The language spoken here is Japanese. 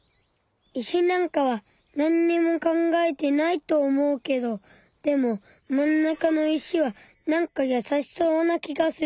石なんかはなんにも考えてないと思うけどでも真ん中の石はなんか優しそうな気がする。